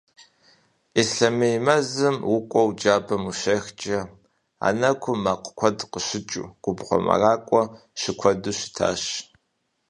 Ислъэмей мэзым укӏуэу джабэм ущехкӏэ, а нэкӏум мэкъу куэду къыщыкӏыу, губгъуэ мэракӏуэ щыкуэду щытащ.